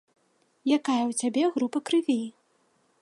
Якая ў цябе група крыві?